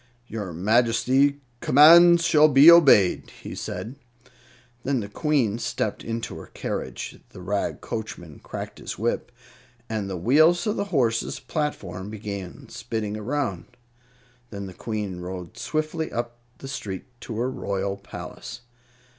"Your Majesty's commands shall be obeyed," he said. Then the Queen stepped into her carriage, the rag coachman cracked his whip, and the wheels of the horses' platform began spinning around. Then the Queen rode swiftly up the street to her royal palace.